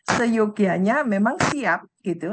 seyogianya memang siap gitu